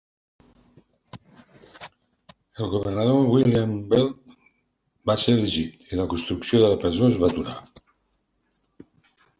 El governador William Weld va ser elegit i la construcció de la presó es va aturar.